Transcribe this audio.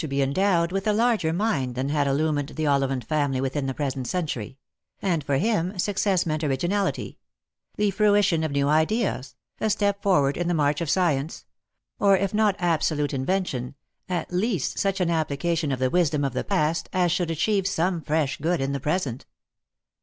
be endowed with a larger mind than had illumined the Ollivant family within the present century ; and for him success meant originality — the fruition of new ideas, a step forward in the march of science ; or, if not absolute invention, at least such an application of the wisdom of the past as should achieve some fresh good in the present.